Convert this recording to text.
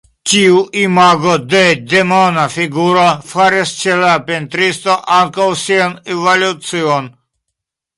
Tiu imago de Demona figuro faris ĉe la pentristo ankaŭ sian evolucion.